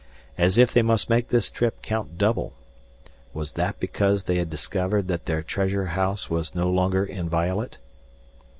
As if they must make this trip count double. Was that because they had discovered that their treasure house was no longer inviolate?